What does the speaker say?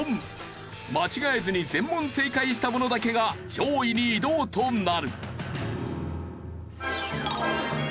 間違えずに全問正解した者だけが上位に移動となる。